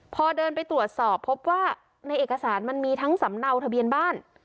พอเดินไปตรวจสอบพบว่าในเอกสารมันมีทั้งสำเนาทะเบียนบ้าน